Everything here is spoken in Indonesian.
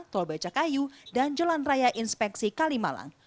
tol baca kayu dan jalan raya inspeksi kalimalang